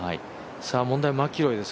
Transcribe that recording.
問題はマキロイです